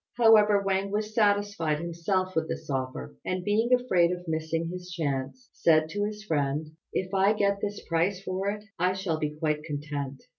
However, Wang was satisfied himself with this offer, and being afraid of missing his chance, said to his friend, "If I get this price for it I shall be quite content.